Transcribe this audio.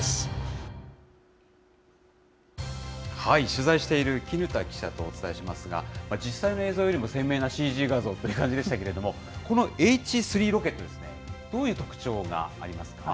取材している絹田記者とお伝えしますが、実際の映像よりも鮮明なＣＧ画像という感じでしたけれども、このＨ３ロケットですね、どういう特徴がありますか？